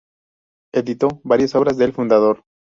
Editó varias obras del Fundador.